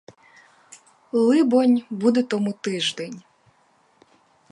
Либонь, буде тому тиждень.